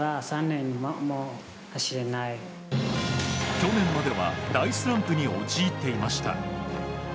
去年までは大スランプに陥っていました。